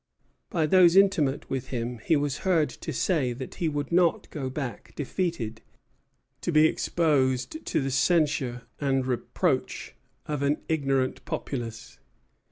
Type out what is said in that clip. By those intimate with him he was heard to say that he would not go back defeated, "to be exposed to the censure and reproach of an ignorant populace."